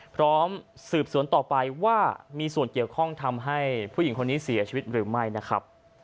พร้อมสืบสวนต่อไปว่ามีส่วนเกี่ยวข้องทำให้ผู้หญิงคนนี้เสียชีวิตหรือไม่นะครับ